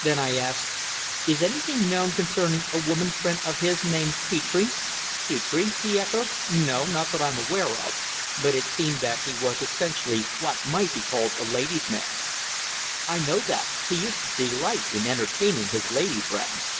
Then I asked: "Is anything known concerning a woman friend of his named Petre?" "Petre?" he echoed. "No, not that I'm aware of. But it seemed that he was essentially what might be called a ladies' man." "I know that. He used to delight in entertaining his lady friends."